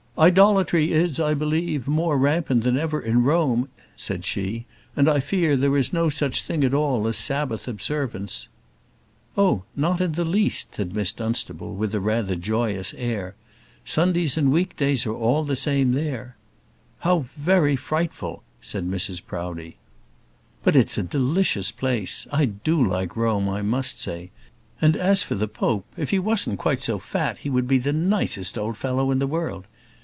"Idolatry is, I believe, more rampant than ever in Rome," said she; "and I fear there is no such thing at all as Sabbath observance." "Oh, not in the least," said Miss Dunstable, with rather a joyous air; "Sundays and week days are all the same there." "How very frightful!" said Mrs Proudie. "But it's a delicious place. I do like Rome, I must say. And as for the Pope, if he wasn't quite so fat he would be the nicest old fellow in the world.